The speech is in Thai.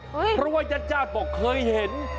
เพราะว่าญาติญาติบอกเคยเห็น